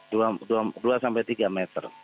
dua sampai tiga meter